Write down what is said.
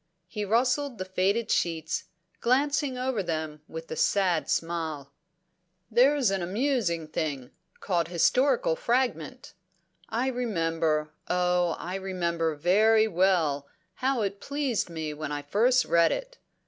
He rustled the faded sheets, glancing over them with a sad smile. "There's an amusing thing called 'Historical Fragment.' I remember, oh I remember very well, how it pleased me when I first read it."